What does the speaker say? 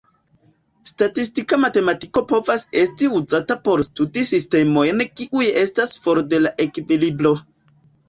Statistika mekaniko povas esti uzata por studi sistemojn kiuj estas for de la ekvilibro.